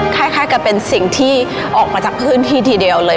คล้ายกับเป็นสิ่งที่ออกมาจากพื้นที่ทีเดียวเลย